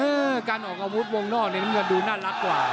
การออกอาวุธวงนอกในน้ำเงินดูน่ารักกว่า